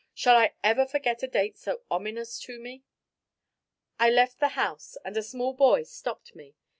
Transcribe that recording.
Shall I ever forget a date so ominous to me? I left the house, and a small boy stopped me.